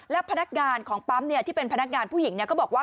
และพนักงานของปั๊มที่เป็นพนักงานผู้หญิงก็บอกว่า